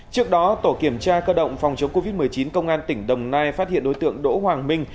trước đó tổ kiểm tra cơ động phòng chống covid một mươi chín công an tỉnh đồng nai phát hiện đối tượng đỗ hoàng minh